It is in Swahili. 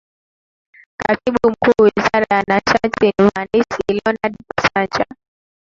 Katibu Mkuu Wizara ya Nishati ni Mhandisi Leonard Masanja